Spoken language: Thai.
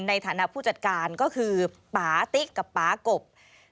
ในฐานะผู้จัดการก็คือปาติ๊กกับป๊ากบ